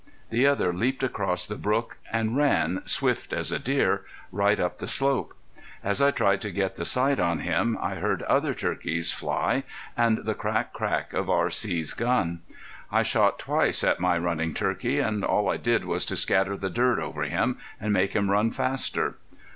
The other leaped across the brook and ran swift as a deer right up the slope. As I tried to get the sight on him I heard other turkeys fly, and the crack crack of R.C.'s gun. I shot twice at my running turkey, and all I did was to scatter the dirt over him, and make him run faster.